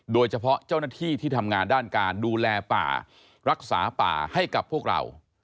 โดยเฉพาะเจ้าหน้าที่ที่ทำงานด้านการดูแลป่ารักษาป่าให้กับพวกเรา